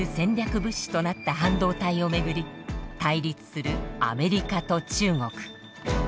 物資となった半導体を巡り対立するアメリカと中国。